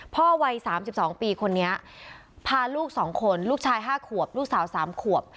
พ่อวัยสามสิบสองปีคนนี้พาลูกสองคนลูกชายห้าขวบลูกสาวสามขวบ